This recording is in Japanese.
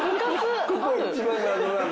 ここ一番謎なんだけど。